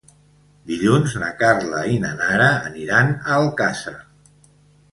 Dilluns na Carla i na Nara aniran a Alcàsser.